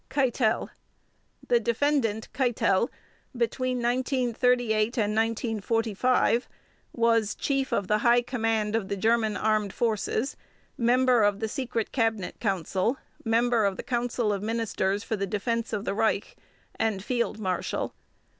KEITEL: The Defendant KEITEL between 1938 and 1945 was: Chief of the High Command of the German Armed Forces, member of the Secret Cabinet Council, member of the Council of Ministers for the Defense of the Reich, and Field Marshal.